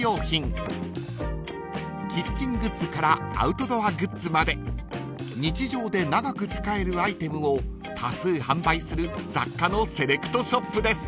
［キッチングッズからアウトドアグッズまで日常で長く使えるアイテムを多数販売する雑貨のセレクトショップです］